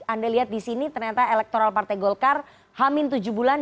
anda lihat di sini ternyata elektoral partai golkar hamil tujuh bulan